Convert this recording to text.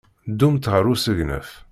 Ddumt ɣer usegnaf.